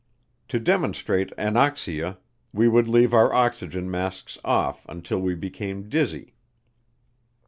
To demonstrate anoxia we would leave our oxygen masks off until we became dizzy.